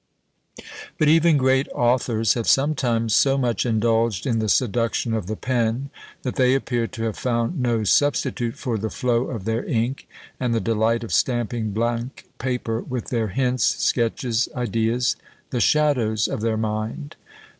But even great authors have sometimes so much indulged in the seduction of the pen, that they appear to have found no substitute for the flow of their ink, and the delight of stamping blank paper with their hints, sketches, ideas, the shadows of their mind!